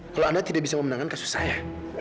kalau anda tidak bisa memenangkan kasus saya